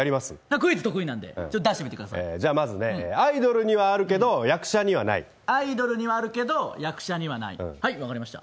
クイズ得意なんでちょっと出してみてくださいじゃまずねアイドルにはあるけど役者にはないアイドルにはあるけど役者にはないはい分かりました